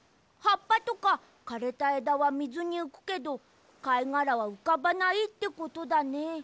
はっぱとかかれたえだはみずにうくけどかいがらはうかばないってことだね。